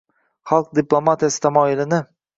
xalq diplomatiyasi tamoyilini